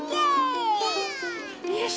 よし！